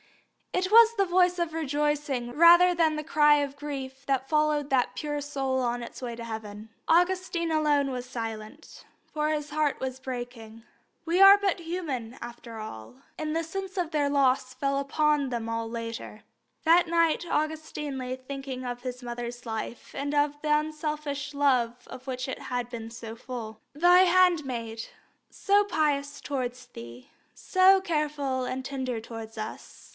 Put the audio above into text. It was the voice of rejoicing rather than the cry of grief that followed that pure soul on its way to heaven. Augustine alone was silent, for his heart was breaking. We are but human, after all, and the sense of their loss fell upon them all later. That night Augustine lay thinking of his mother's life and the unselfish love of which it had been so full. "Thy handmaid, so pious towards Thee, so careful and tender towards us.